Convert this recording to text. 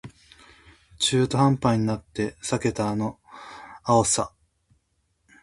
中途半端になって避けたあの青さ